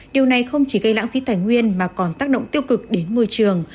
điều này không chỉ gây lãng phí tài nguyên mà còn tác động tiêu cực đến môi trường